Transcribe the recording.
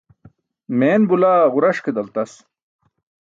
Meen bulaa ġuraṣ ke daltas.